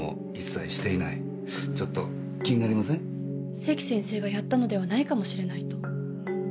関先生がやったのではないかもしれないと？